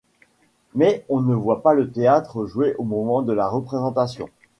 Mais on ne voit pas le théâtre joué au moment de la représentation.